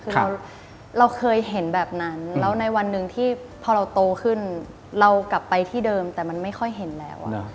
คือเราเคยเห็นแบบนั้นแล้วในวันหนึ่งที่พอเราโตขึ้นเรากลับไปที่เดิมแต่มันไม่ค่อยเห็นแล้ว